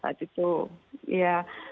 saat itu ya